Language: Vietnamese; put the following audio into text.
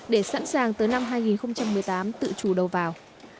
để sẵn sàng tới năm hai nghìn một mươi tám tự chủ đầu vào